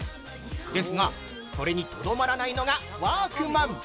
ですが、それにとどまらないのがワークマン。